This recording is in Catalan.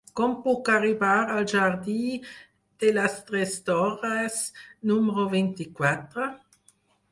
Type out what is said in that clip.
Com puc arribar al jardí de les Tres Torres número vint-i-quatre?